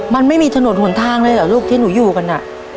มันไม่มีถนนหนทางเลยเหรอลูกที่หนูอยู่กันอ่ะ